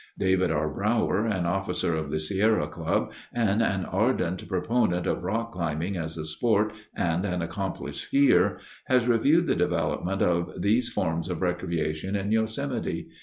David R. Brower, an officer of the Sierra Club and an ardent proponent of rock climbing as a sport, and an accomplished skier, has reviewed the development of these forms of recreation in Yosemite.